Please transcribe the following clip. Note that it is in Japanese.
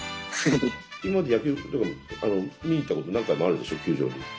今まで野球とか見に行ったこと何回もあるでしょ球場に。